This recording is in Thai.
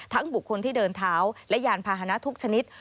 บุคคลที่เดินเท้าและยานพาหนะทุกชนิด